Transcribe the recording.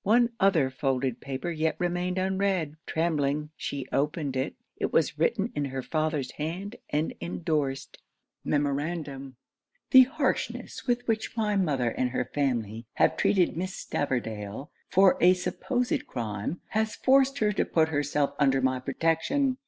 One other folded paper yet remained unread. Trembling she opened it. It was written in her father's hand and endorsed MEMORANDUM 'The harshness with which my mother and her family have treated Miss Stavordale, for a supposed crime, has forced her to put herself under my protection.